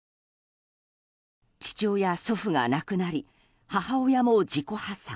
父親、祖父が亡くなり母親も自己破産。